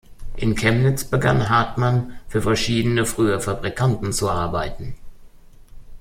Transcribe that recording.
In Chemnitz begann Hartmann für verschiedene frühe Fabrikanten zu arbeiten.